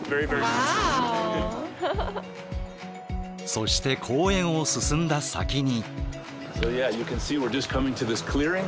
そして公園を進んだ先に。